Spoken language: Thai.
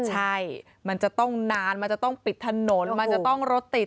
ใช่มันจะต้องนานมันจะต้องปิดถนนมันจะต้องรถติด